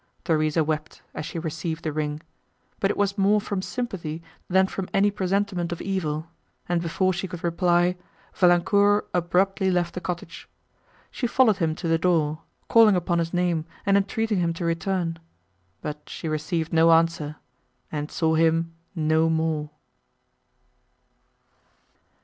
Theresa wept, as she received the ring, but it was more from sympathy, than from any presentiment of evil; and before she could reply, Valancourt abruptly left the cottage. She followed him to the door, calling upon his name and entreating him to return; but she received no answer, and saw him no more.